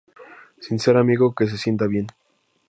Sin ser amigo, que se sienta bien.